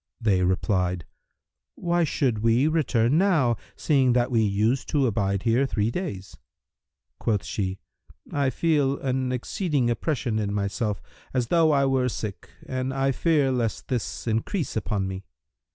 They replied, "Why should we return now, seeing that we use to abide here three days?" Quoth she, "I feel an exceeding oppression in myself, as though I were sick, and I fear lest this increase upon me."